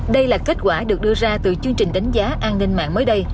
đây là kết quả được đưa ra từ chương trình đánh giá an ninh mạng mới đây